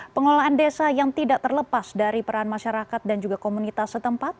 pengelolaan desa yang tidak terlepas dari peran masyarakat dan juga komunitas setempat